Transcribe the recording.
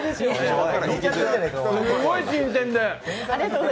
すごい新鮮で。